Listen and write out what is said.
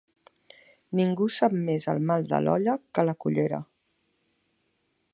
Ningú sap més el mal de l'olla que la cullera.